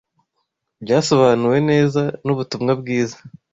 byasobanuwe neza n’ubutumwa bwiza